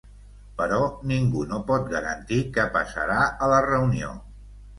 Però ningú no pot garantir què passarà a la reunió.